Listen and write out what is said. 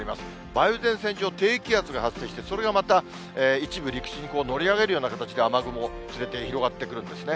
梅雨前線上、低気圧が発生して、それがまた一部陸地に乗り上げるような形で、雨雲連れて広がってくるんですね。